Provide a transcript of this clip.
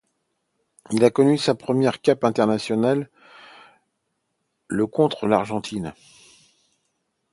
Il a connu sa première cape internationale le contre l'Argentine.